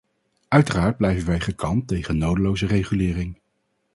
Uiteraard blijven wij gekant tegen nodeloze regulering.